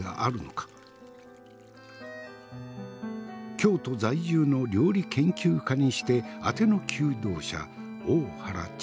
京都在住の料理研究家にしてあての求道者大原千鶴。